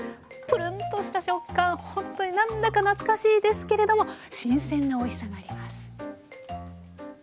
プルンとした食感ほんとに何だか懐かしいですけれども新鮮なおいしさがあります。